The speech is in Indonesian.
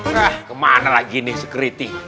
hah kemana lagi ini security